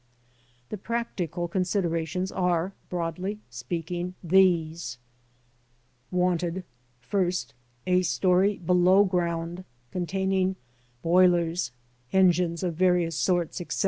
The practical conditions are, broadly speaking, these : Wanted ŌĆö 1st, a story below ground, containing boilers, engines, of various sorts, etc.